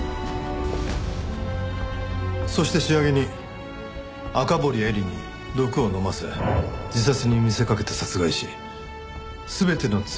そして仕上げに赤堀絵里に毒を飲ませ自殺に見せかけて殺害し全ての罪を押しつけようとした。